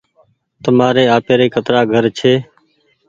تمآري آپيري ڪترآ گهر ڇي۔